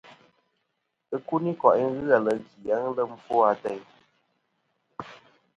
Ikuniko'i ghɨ ale' ki a ghɨ lem ɨfwo ateyn.